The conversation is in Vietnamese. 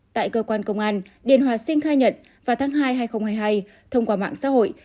tại cơ quan công an điền hòa sinh khai nhận vào tháng hai hai nghìn hai mươi hai thông qua mạng xã hội